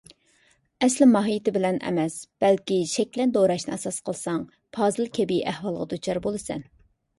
ئەسلىي ماھىيتى بىلەن ئەمەس، بەلكى شەكلەن دوراشنى ئاساس قىلساڭ، پازىل كەبى ئەھۋالغا دۇچار بولىسەن.